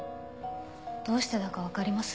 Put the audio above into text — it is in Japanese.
どうしてだかわかります？